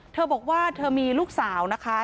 เธอบอกว่าเธอมีลูกสาวนะคะ